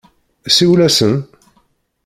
Siwel-asen.